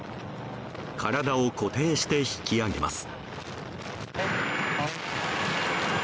体を固定して引き上げます。